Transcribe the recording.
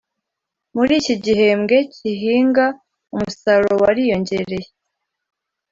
Muriki gihembwe kihinga umusaruro wariyongereye